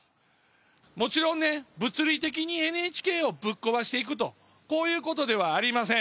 もちろんね、物理的にＮＨＫをぶっ壊していくと、こういうことではありません。